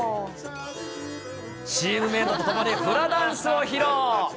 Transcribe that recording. チームメートと共にフラダンスを披露。